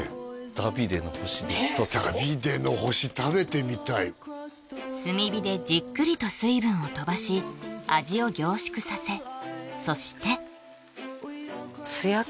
ダビデの星ダビデの星食べてみたい炭火でじっくりと水分を飛ばし味を凝縮させそして素焼き？